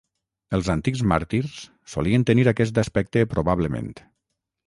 Els antics màrtirs solien tenir aquest aspecte probablement.